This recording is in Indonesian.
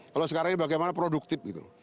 kalau sekarang ini bagaimana produktif gitu loh